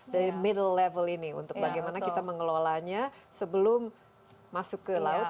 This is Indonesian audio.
dari middle level ini untuk bagaimana kita mengelolanya sebelum masuk ke laut